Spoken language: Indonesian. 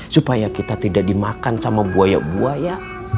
supaya kita tidak dimakan sama buaya buaya